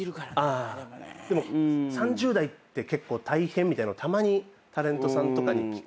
３０代って結構大変みたいのたまにタレントさんとかに聞くんですよね。